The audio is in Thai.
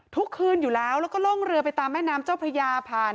ทุกคืนอยู่แล้วแล้วก็ล่องเรือไปตามแม่น้ำเจ้าพระยาผ่าน